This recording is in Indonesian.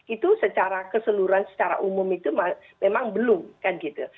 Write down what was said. itu secara keseluruhan secara umum itu memang belum kan gitu